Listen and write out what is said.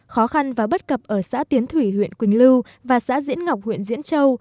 khó khăn và bất cập ở xã tiến thủy huyện quỳnh lưu và xã diễn ngọc huyện diễn châu